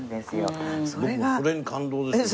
僕もそれに感動ですよ。